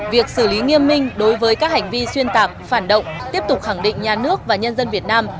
việc xử lý nghiêm minh đối với các hành vi xuyên tạc phản động tiếp tục khẳng định nhà nước và nhân dân việt nam